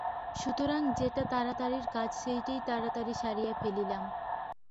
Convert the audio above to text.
সুতরাং যেটা তাড়াতাড়ির কাজ সেইটেই তাড়াতাড়ি সারিয়া ফেলিলাম।